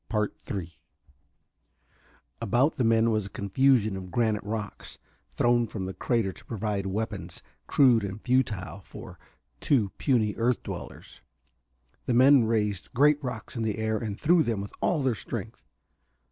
About the men was a confusion of granite rocks, thrown from the crater to provide weapons, crude and futile, for two puny earth dwellers. The men raised great rocks in the air and threw them with all their strength.